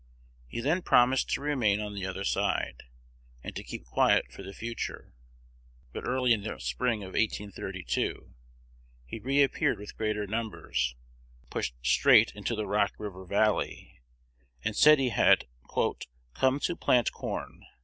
He then promised to remain on the other side, and to keep quiet for the future. But early in the spring of 1832 he re appeared with greater numbers, pushed straight into the Rock river Valley, and said he had "come to plant corn."